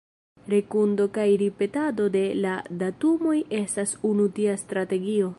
Redundo kaj ripetado de la datumoj estas unu tia strategio.